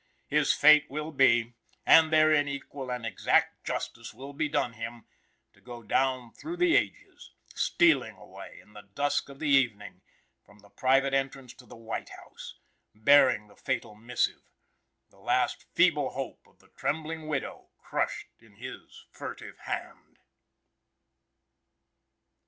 His fate will be and therein equal and exact justice will be done him to go down through the ages, stealing away, in the dusk of the evening, from the private entrance of the White House, bearing the fatal missive the last feeble hope of the trembling widow crushed in his furtive hand.